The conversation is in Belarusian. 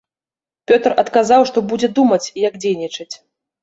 Пётр адказаў, што будзе думаць, як дзейнічаць.